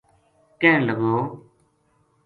کہن لگو